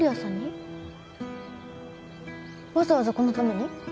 うんわざわざこのために？